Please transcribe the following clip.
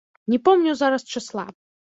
Не помню зараз чысла.